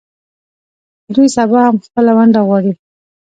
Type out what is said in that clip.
دوی سبا هم خپله ونډه غواړي.